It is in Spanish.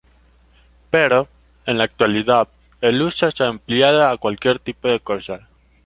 Pero, en la actualidad, el uso se ha ampliado a cualquier tipo de cosas.